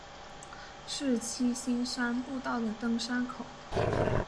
是七星山步道的登山口。